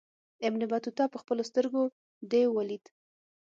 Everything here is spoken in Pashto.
ابن بطوطه پخپلو سترګو دېو ولید.